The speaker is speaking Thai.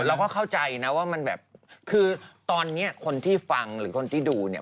เราก็เข้าใจนะว่ามันแบบคือตอนนี้คนที่ฟังหรือคนที่ดูเนี่ย